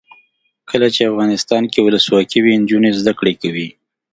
کله چې افغانستان کې ولسواکي وي نجونې زده کړې کوي.